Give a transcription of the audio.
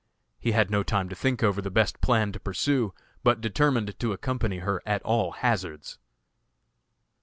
He had no time to think over the best plan to pursue, but determined to accompany her at all hazards.